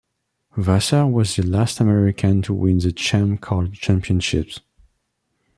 Vasser was the last American to win the Champ Car championship.